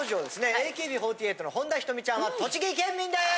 ＡＫＢ４８の本田仁美ちゃんは栃木県民です！